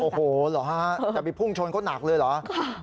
โอ้โหเหรอฮะจะไปพุ่งชนเขาหนักเลยเหรอ